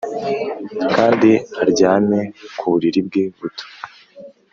kandi aryame ku buriri bwe buto.